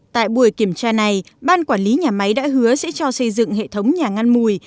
tại buổi kiểm tra này ban quản lý nhà máy đã hứa sẽ cho xây dựng hệ thống nhà ngăn mùi